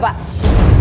bapak ibu mau pergi